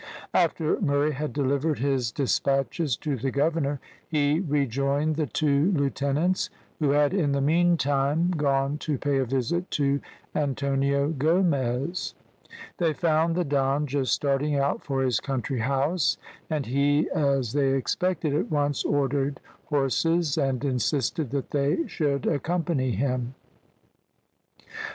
After Murray had delivered his despatches to the governor, he rejoined the two lieutenants, who had in the meantime gone to pay a visit to Antonio Gomez. They found the Don just starting out for his country house, and he, as they expected, at once ordered horses, and insisted that they should accompany him.